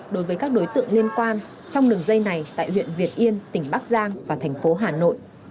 đối với các đối tượng liên quan trong đường dây này tại huyện việt yên tỉnh bắc giang và thành phố hà nội